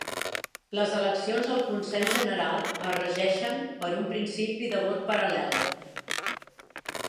Les eleccions al Consell General es regeixen per un principi de vot paral·lel.